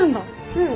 うん。